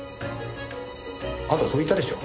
あんたそう言ったでしょ？